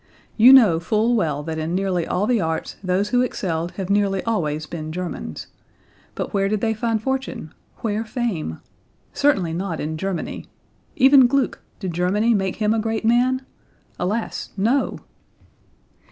You know full well that in nearly all the arts those who excelled have nearly always been Germans. But where did they find fortune, where fame? Certainly not in Germany. Even Gluck; did Germany make him a great man? Alas, no!"